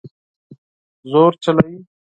زور چلوي